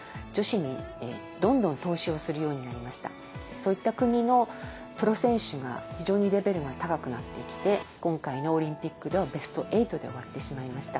そういった国のプロ選手が非常にレベルが高くなって来て今回のオリンピックではベスト８で終わってしまいました。